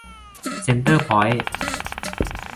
เซ็นเตอร์พอยท์